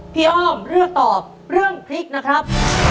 อ้อมเลือกตอบเรื่องพริกนะครับ